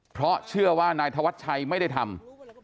เพราะเชื่อว่านายธวัชชัยไม่ได้ทำ